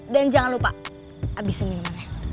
dan jangan lupa abisin minumannya